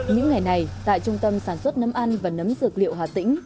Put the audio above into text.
những ngày này tại trung tâm sản xuất nấm ăn và nấm dược liệu hà tĩnh